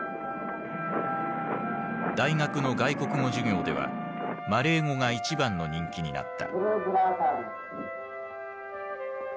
大学の外国語授業ではマレー語が一番の人気になった。